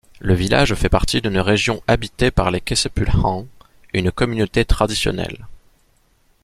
Le village fait partie d'une région habitée par les Kasepuhan, une communauté traditionnelle.